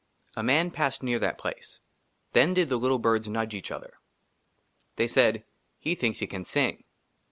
A MAN PASSED NEAR THAT PLACE. THEN DID THE LITTLE BIRDS NUDGE EACH OTHER. THEY SAID, " HE THINKS HE CAN SING."